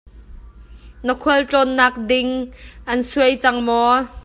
Na khualtlawnnak ding an suai cang maw?